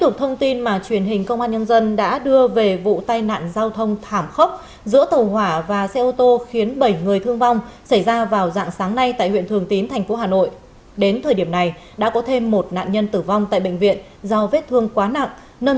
các bạn hãy đăng ký kênh để ủng hộ kênh của chúng mình nhé